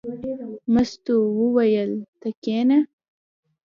مستو وویل: ته کېنه.